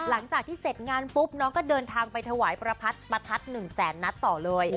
หลังจากที่เสร็จงานปุ๊บน้องก็เดินทางไปถวายประพัดประทัด๑แสนนัดต่อเลย